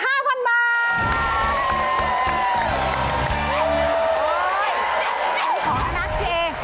โอ๊ยขอนะเจ